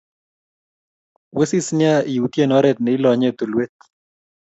Wisis nea iutyen oret ye ilonye tulwet.